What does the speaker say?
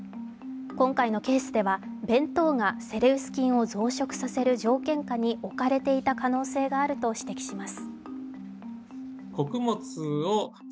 今回のケースでは弁当がセレウス菌を増殖させる条件下に置かれていた可能性があると指摘します。